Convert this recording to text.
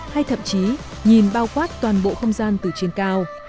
hay thậm chí nhìn bao quát toàn bộ không gian từ trên cao